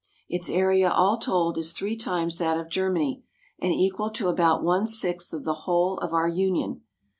Its area all told is three times that of Germany, and equal to about one sixth of the whole of our Union.